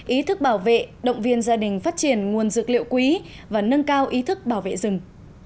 ý thức bảo vệ động viên gia đình phát triển nguồn dược liệu quý và nâng cao ý thức bảo vệ rừng